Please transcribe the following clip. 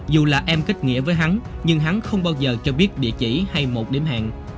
dù là em kết nghĩa với hắn nhưng hắn không bao giờ cho biết địa chỉ hay một điểm hẹn